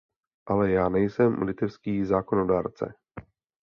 Ale já nejsem litevský zákonodárce!